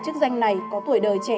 chức danh này có tuổi đời trẻ